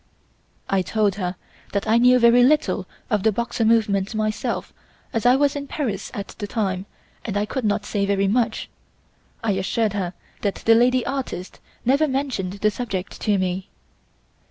I told her that I knew very little of the Boxer movement myself, as I was in Paris at the time and I could not say very much. I assured her that the lady artist never mentioned the subject to me.